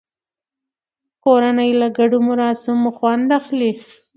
کورنۍ له ګډو مراسمو خوند اخلي